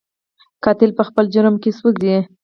قاتل په خپل جرم کې سوځي